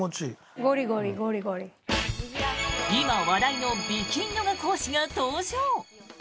今話題の美筋ヨガ講師が登場！